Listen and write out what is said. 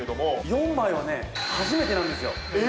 ４枚はね初めてなんですよ。え？